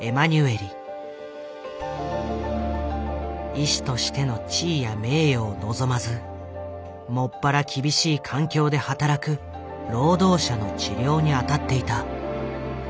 医師としての地位や名誉を望まず専ら厳しい環境で働く労働者の治療に当たっていた。